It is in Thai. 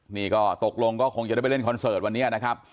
นี่ก็ตกลงก็คงจะได้เล่นคอนเสิร์ตนะครับ